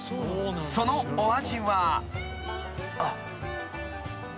［そのお味は］